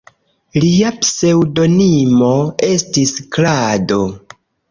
Lia pseŭdonimo estis "Klado".